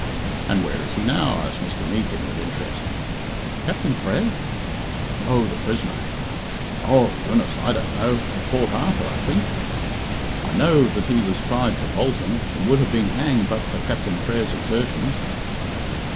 "And where is he now?" asked Mr. Meekin, with interest. "Captain Frere?" "No, the prisoner." "Oh, goodness, I don't know at Port Arthur, I think. I know that he was tried for bolting, and would have been hanged but for Captain Frere's exertions."